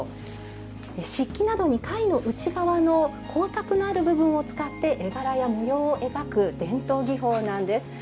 漆器などに貝の内側の光沢のある部分を使って絵柄や模様を描く伝統技法なんです。